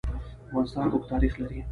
افغانستان اوږد تاریخ لري.